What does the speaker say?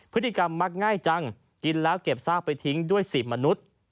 พฤติกรรมมักง่ายจังกินแล้วเก็บซากไปทิ้งด้วย๑๐มนุษย์